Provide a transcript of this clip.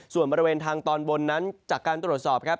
ส่วนบริเวณทางตอนบนนั้นจากการตรวจสอบครับ